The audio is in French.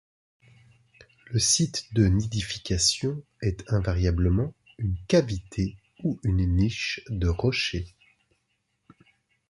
Le site de nidification est invariablement une cavité ou une niche de rocher.